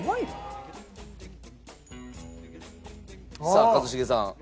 さあ一茂さん。